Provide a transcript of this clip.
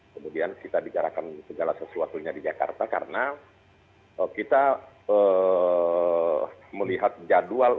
kemudian kita bicarakan segala sesuatunya di jakarta karena kita melihat jadwal